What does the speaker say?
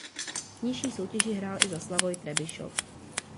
V nižší soutěži hrál i za Slavoj Trebišov.